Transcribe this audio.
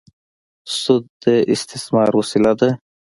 سود د استثمار وسیله ده.